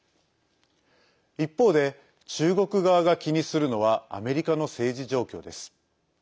一方で中国側が気にするのはアメリカの政治状況です。